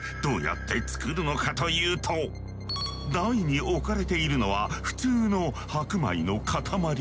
台に置かれているのは普通の白米の塊。